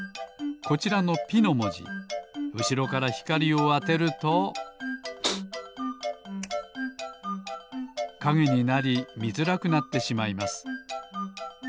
こちらの「ピ」のもじうしろからひかりをあてるとかげになりみづらくなってしまいます